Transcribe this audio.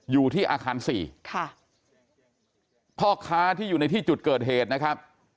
อยู่ที่อาคารสี่ค่ะพ่อค้าที่อยู่ในที่จุดเกิดเหตุนะครับ